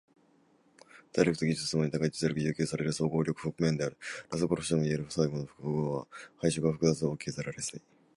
体力と技術共に高い実力で要求される総合力譜面である。ラス殺しともいえる最後の複合は配色が複雑で大きく削られやすい。